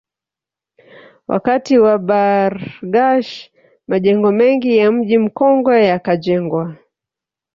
Wakati wa Bargash majengo mengi ya Mji Mkongwe yakajengwa